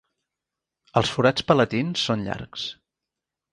Els forats palatins són llargs.